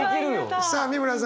さあ美村さん